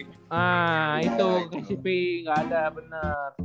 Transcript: kcp gak ada bener